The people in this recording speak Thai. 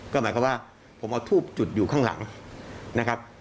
ก็หมายความว่าผมเอาทูบจุดอยู่ข้างหลังนะครับ